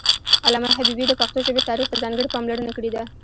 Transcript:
علامه حبيبي د پښتو ژبې تاریخ ته ځانګړې پاملرنه کړې ده